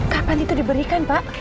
kapan itu diberikan pak